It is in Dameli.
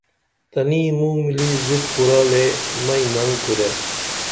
تنی موں ملی زِت کُرالے مئی نگ کُرے